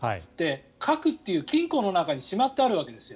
核という金庫の中にしまってあるわけですよ。